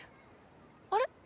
あれ？